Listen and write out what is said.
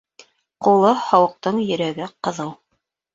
Ҡулы һыуыҡтың йөрәге ҡыҙыу.